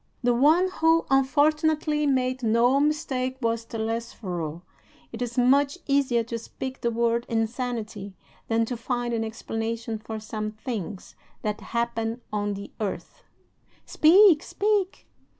The one who unfortunately made no mistake was Telesforo. It is much easier to speak the word 'insanity' than to find an explanation for some things that happen on the earth." "Speak, speak!"